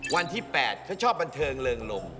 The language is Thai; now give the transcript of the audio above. วันที่๘เขาชอบบันเทิงเริงลม